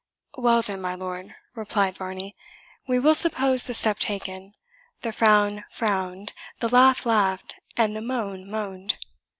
"Well, then, my lord," replied Varney, "we will suppose the step taken, the frown frowned, the laugh laughed, and the moan moaned.